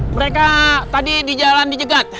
mereka tadi di jalan di jegat